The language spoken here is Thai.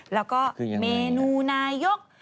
แล้วก็เมนูนายก